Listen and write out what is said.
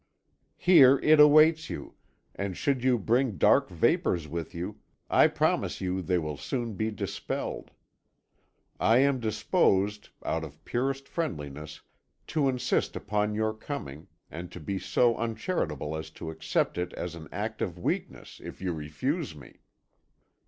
Here it awaits you, and should you bring dark vapours with you I promise you they will soon be dispelled. I am disposed out of purest friendliness to insist upon your coming, and to be so uncharitable as to accept it as an act of weakness if you refuse me.